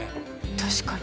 確かに。